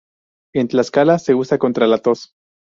En Tlaxcala se usa contra la tos.